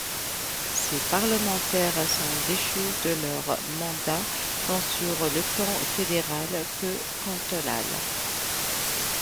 Ses parlementaires sont déchus de leur mandat tant sur le plan fédéral que cantonal.